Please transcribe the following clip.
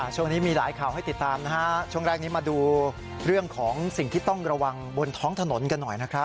ช่วงนี้มีหลายข่าวให้ติดตามนะฮะช่วงแรกนี้มาดูเรื่องของสิ่งที่ต้องระวังบนท้องถนนกันหน่อยนะครับ